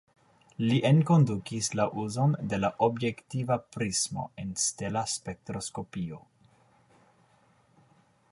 Li enkondukis la uzon de la objektiva prismo en stela spektroskopio.